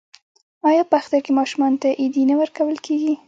آیا په اختر کې ماشومانو ته ایډي نه ورکول کیږي؟